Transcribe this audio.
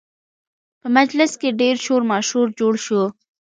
په مجلس کې ډېر شور ماشور جوړ شو